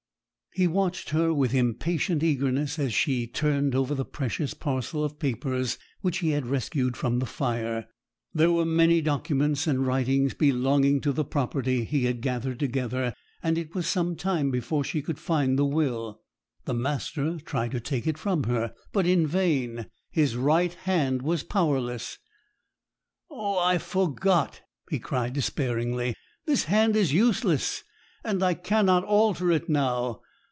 He watched her with impatient eagerness as she turned over the precious parcel of papers which he had rescued from the fire. There were many documents and writings belonging to the property he had gathered together, and it was some time before she could find the will. The master tried to take it from her, but in vain; his right hand was powerless. 'Oh, I forgot!' he cried despairingly; 'this hand is useless, and I cannot alter it now.